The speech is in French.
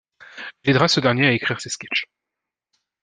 Il aidera ce dernier à écrire ses sketches.